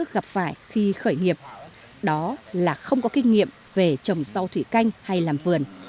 gặp phải khi khởi nghiệp đó là không có kinh nghiệm về trồng rau thủy canh hay làm vườn